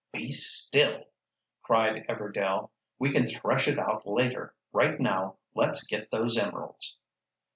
"Be still," cried Everdail. "We can thresh it out later. Right now let's get those emeralds."